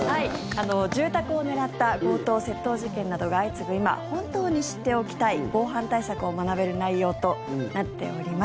住宅を狙った強盗・窃盗事件などが相次ぐ今本当に知っておきたい防犯対策を学べる内容となっております。